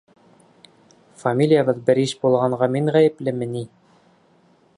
Фамилиябыҙ бер иш булғанға мин ғәйеплеме ни?